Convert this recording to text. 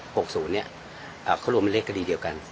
หกศูนย์เนี้ยเขารวมเป็นเลขคดีเดียวกัน